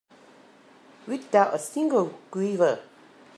Without a single quiver.